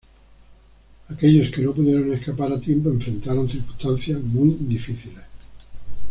Aquellos que no pudieron escapar a tiempo enfrentaron circunstancias muy difíciles.